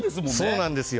そうなんですよ。